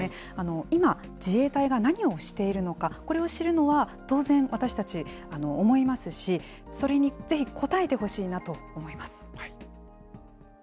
今、自衛隊が何をしているのか、これを知るのは当然、私たち、思いますし、それにぜひ、答えてほしいなと思います。